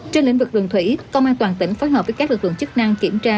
trên lĩnh vực đường thủy công an toàn tỉnh phối hợp với các lực lượng chức năng kiểm tra